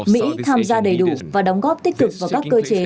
mỹ tham gia đầy đủ và đóng góp tích cực vào các cơ chế